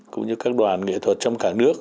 cũng như các đoàn nghệ thuật trong cả nước